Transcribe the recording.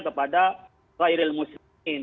kepada khairil muslimin